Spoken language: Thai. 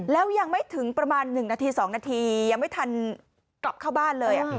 แล้วยังไม่ถึงประมาณ๑นาที๒นาทียังไม่ทันกลับเข้าบ้านเลย